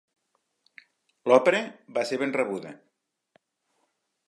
L'òpera va ser ben rebuda.